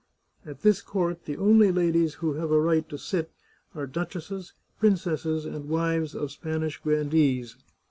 At this court the only ladies who have a right to sit are duchesses, princesses, and wives of Spanish grandees.